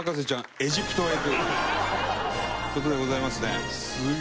エジプトへ行くという事でございますね。